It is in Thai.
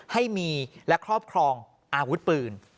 ให้มีและครอบครองอาวุธปืน